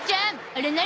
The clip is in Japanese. あれ何？